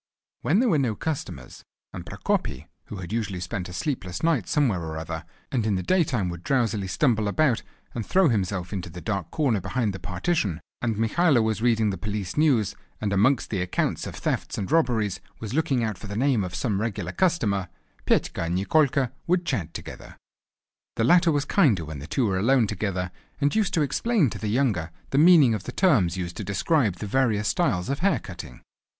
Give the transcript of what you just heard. When there were no customers, and Prokopy, who usually had spent a sleepless night somewhere or other, and in the daytime would drowsily stumble about and throw himself into the dark corner behind the partition, and Mikhailo was reading the Police News, and amongst the accounts of thefts and robberies was looking out for the name of some regular customer, Petka and Nikolka would chat together. The latter was kinder when the two were alone together, and used to explain to the younger the meaning of the terms used to describe the various styles of hair cutting.